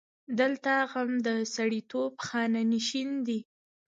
دلته غم د سړیتوب خانه نشین دی.